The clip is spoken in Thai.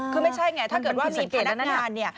คือไม่ใช่ไงถ้าเกิดว่ามีพนักงานเนี่ย